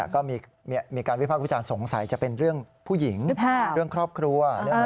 ก็มีการวิพากษ์วิจารณ์สงสัยจะเป็นเรื่องผู้หญิงเรื่องครอบครัว